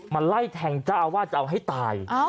ไล่แทงเจ้าอาวาสจะเอาให้ตาย